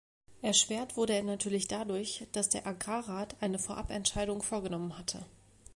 Erschwert wurde er natürlich dadurch, dass der Agrarrat eine Vorabentscheidung vorgenommen hatte.